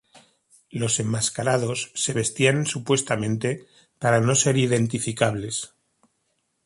Los enmascarados se vestían supuestamente para no ser identificables.